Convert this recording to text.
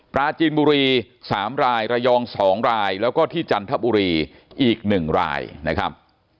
ปลาจีนบุรี๓รายระยอง๒รายแล้วก็ที่จันทบุรีอีก๑รายนะครับ